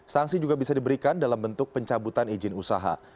sanksi juga bisa diberikan dalam bentuk pencabutan izin usaha